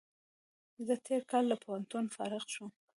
زه تېر کال له پوهنتون فارغ شوم